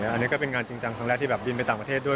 อันนี้ก็เป็นงานจริงจังครั้งแรกที่แบบบินไปต่างประเทศด้วย